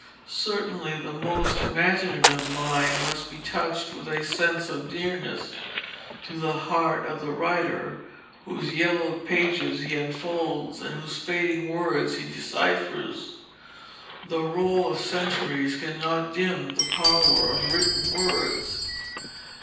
Certainly the most imaginative mind must be touched with a sense of nearness to the heart of the writer whose yellowed pages he unfolds and whose fading words he deciphers. The roll of centuries cannot dim the power of written words.